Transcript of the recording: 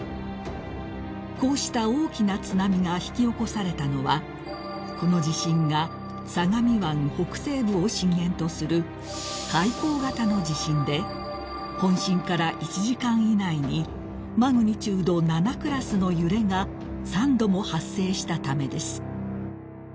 ［こうした大きな津波が引き起こされたのはこの地震が相模湾北西部を震源とする海溝型の地震で本震から１時間以内にマグニチュード７クラスの揺れが３度も発生したためです］